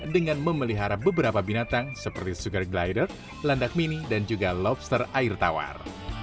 dengan memelihara beberapa binatang seperti sugar glider landak mini dan juga lobster air tawar